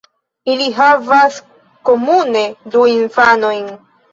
Ili havas komune du infanojn.